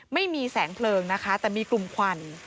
ไม่มีแสงเพลิงนะคะแต่มีกลุ่มควัน